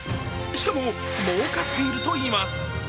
しかも、もうかっているといいます